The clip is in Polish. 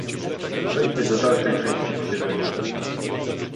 Przejdźmy do dalszej części posiedzenia